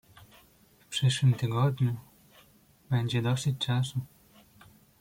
"W przyszłym tygodniu, będzie dosyć czasu."